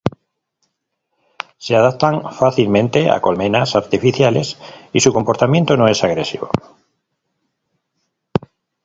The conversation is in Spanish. Se adaptan fácilmente a colmenas artificiales y su comportamiento no es agresivo.